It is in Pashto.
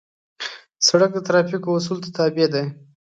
سړک د ترافیکو اصولو ته تابع دی.